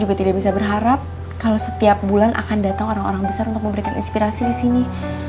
juga tidak bisa berharap kalau setiap bulan akan datang orang orang besar untuk memberikan inspirasi di sini